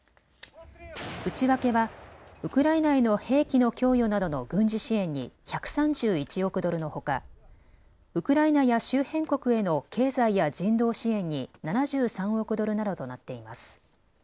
内訳はウクライナへの兵器の供与などの軍事支援に１３１億ドルのほかウクライナや周辺国への経済や人道支援に７３億ドルなどとなっています。